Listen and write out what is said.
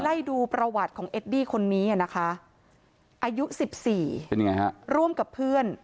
ได้ดูประวัติของเอ่ดดี้คนนี้นะคะอายุสิบสี่เป็นไงครับร่วมกับเพื่อน